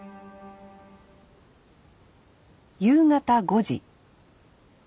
夕方５時。